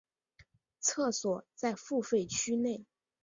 厕所在付费区内。